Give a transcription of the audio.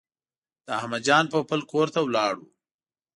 د احمد جان پوپل کور ته ولاړو.